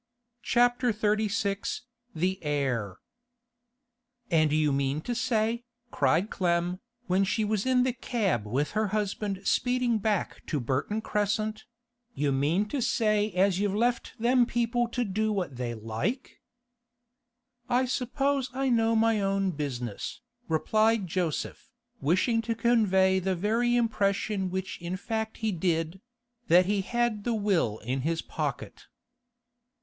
CHAPTER XXXVI THE HEIR 'And you mean to say,' cried Clem, when she was in the cab with her husband speeding back to Burton Crescent—'you mean to say as you've left them people to do what they like?' 'I suppose I know my own business,' replied Joseph, wishing to convey the very impression which in fact he did—that he had the will in his pocket.